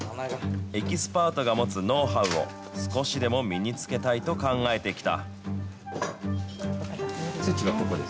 エキスパートが持つノウハウを少しでも身につけたいと考えてきた。